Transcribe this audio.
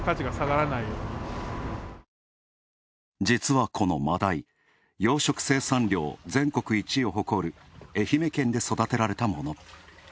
実はこのマダイ、養殖生産量、全国１位を誇る愛媛県で育てられたもの。